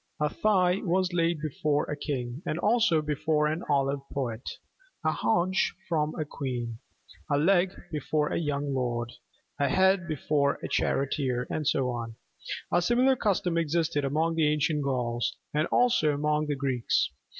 A thigh was laid before a king, and also before an ollave poet; a haunch before a queen; a leg before a young lord; a head before a charioteer, and so on. A similar custom existed among the ancient Gauls and also among the Greeks.